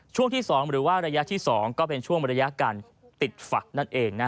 ช่วงที่๒หรือว่าระยะที่๒ก็เป็นช่วงระยะการติดฝักนั่นเอง